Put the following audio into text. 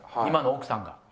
今の奥さんが。